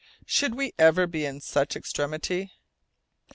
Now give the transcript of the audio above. Should we ever be in such extremity?